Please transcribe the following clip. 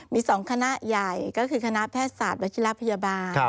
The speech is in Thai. มี๒คณะใหญ่ก็คือคณะแพทยศาสตร์วัชิระพยาบาล